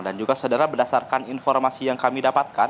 dan juga saudara berdasarkan informasi yang kami dapatkan